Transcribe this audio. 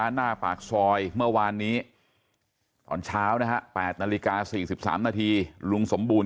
หน้าปากซอยเมื่อวานนี้ตอนเช้านะฮะ๘นาฬิกา๔๓นาทีลุงสมบูรณ